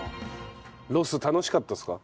ロス楽しかったですか？